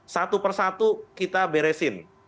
satu persatu kita beresin